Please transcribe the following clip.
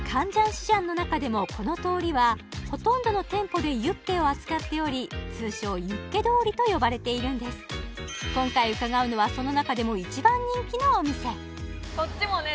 市場の中でもこの通りはほとんどの店舗でユッケを扱っており通称ユッケ通りと呼ばれているんです今回伺うのはその中でも一番人気のお店こっちもね